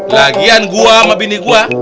lagian gua sama bini gue